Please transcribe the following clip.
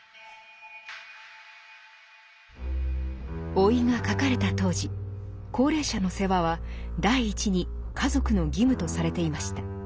「老い」が書かれた当時高齢者の世話は第一に家族の義務とされていました。